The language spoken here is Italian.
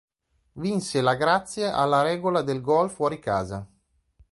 Vinse la grazie alla regola del goal fuori casa.